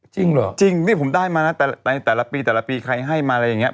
จริงเหรอจริงนี่ผมได้มานะในแต่ละปีแต่ละปีใครให้มาอะไรอย่างเงี้